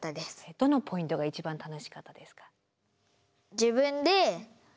どのポイントが一番楽しかったですか？